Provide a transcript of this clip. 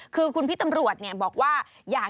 คือคุณพี่ตำรวจเนี่ยบอกว่า